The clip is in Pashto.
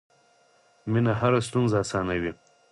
مینه هره ستونزه اسانوي.